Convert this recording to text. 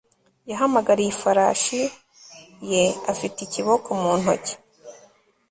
yahamagariye ifarashi ye afite ikiboko mu ntoki